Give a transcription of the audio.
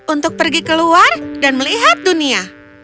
untuk pergi keluar dan melihat dunia